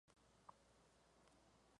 Se encuentra en los ríos de Angola.